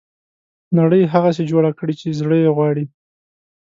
نړۍ هغسې جوړه کړي چې زړه یې غواړي.